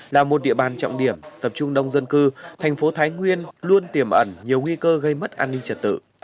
là một địa bàn trọng điểm tập trung đông dân cư thành phố thái nguyên luôn tiềm ẩn nhiều nguy cơ gây mất an ninh trật tự